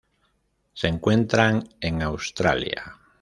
Se encuentran en Australia.